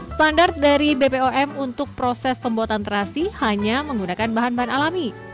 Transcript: standar dari bpom untuk proses pembuatan terasi hanya menggunakan bahan bahan alami